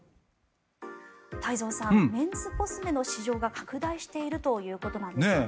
太蔵さん、メンズコスメの市場が拡大しているということです。